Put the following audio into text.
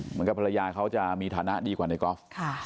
เหมือนกับภรรยาเขาจะมีฐานะดีกว่าในกอล์ฟ